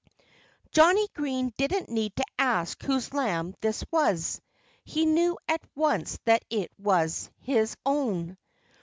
Johnnie Green didn't need to ask whose lamb this was. He knew at once that it was his own.